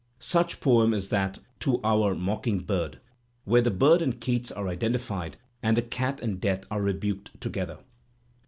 Such poem is that "To Our Mocking Bird," where the bird and Keats are identified and the Cat and Death are rebuked together.